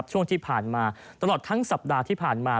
ช่วงที่ผ่านมาตลอดทั้งสัปดาห์ที่ผ่านมา